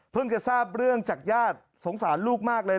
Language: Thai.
จะทราบเรื่องจากญาติสงสารลูกมากเลย